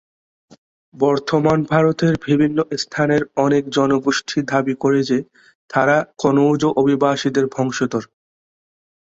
বর্তমান ভারতের বিভিন্ন স্থানের অনেক জনগোষ্ঠী দাবী করে যে তারা কনৌজ অভিবাসীদের বংশধর।